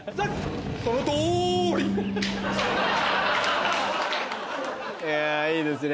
その通り！いやいいですね